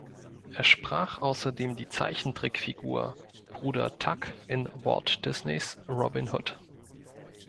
Er sprach außerdem die Zeichentrickfigur Bruder Tuck in Walt Disneys "Robin Hood".